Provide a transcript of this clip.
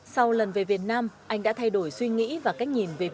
sau lần về việt nam anh đã thay đổi suy nghĩ và cách nhìn về việt nam